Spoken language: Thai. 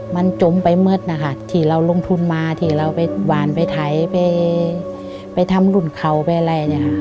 มันจมไปมืดนะคะที่เราลงทุนมาที่เราไปหวานไปไถไปไปทำรุ่นเขาไปอะไรเนี่ยค่ะ